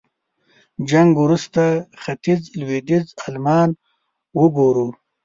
جنګ وروسته ختيځ لوېديځ المان وګورو.